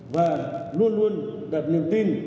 và luôn luôn đặt niềm tin